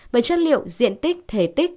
bởi chất liệu diện tích thể tích